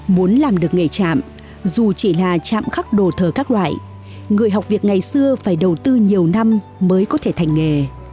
muốn làm được nghề trạm dù chỉ là chạm khắc đồ thờ các loại người học việc ngày xưa phải đầu tư nhiều năm mới có thể thành nghề